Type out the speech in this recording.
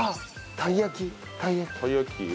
たい焼き器？